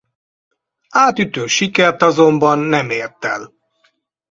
Átütő sikert azonban nem ért el.